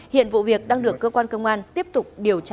hiện vụ việc đang được cơ quan công an tiếp tục điều tra